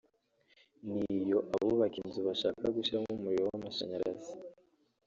n’iyo abubaka inzu bashaka gushyiramo umuriro w’amashanyarazi